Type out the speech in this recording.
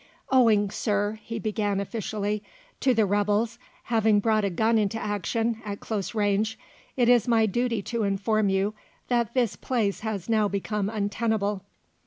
"Owing, Sir," he began officially, "to the rebels having brought a gun into action at close range, it is my duty to inform you that this place has now become untenable.